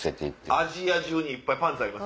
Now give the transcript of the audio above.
アジア中にいっぱいあります